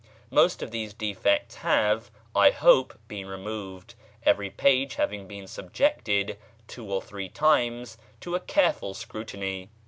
Most of these defects have, I hope, been removed, every page having been subjected two or three times to a careful scrutiny.